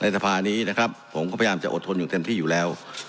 สภานี้นะครับผมก็พยายามจะอดทนอยู่เต็มที่อยู่แล้ว